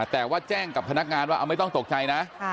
แต่ว่าแจ้งกับพนักงานว่าไม่ต้องตกใจนะ